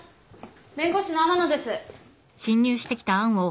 弁護士の天野です。